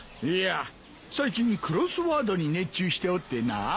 いや最近クロスワードに熱中しておってな。